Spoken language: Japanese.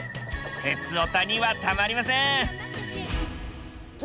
鉄オタにはたまりません！